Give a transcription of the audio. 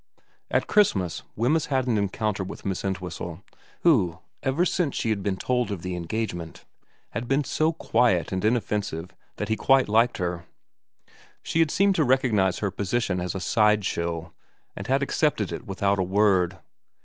At Christmas Wemyss had an encounter with Miss Entwhistle, who ever since she had been told of the engagement had been so quiet and inoffensive that he quite liked her. She had seemed to recognise her position as a side show, and had accepted it without a word.